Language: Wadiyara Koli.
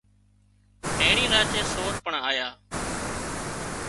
اينڻي راچي سور پڻ آيا